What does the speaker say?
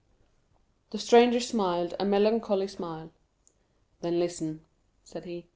The stranger smiled a melancholy smile. "Then listen," said he.